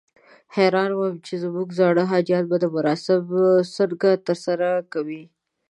حیران وم چې زموږ زاړه حاجیان به دا مراسم څنګه ترسره کوي.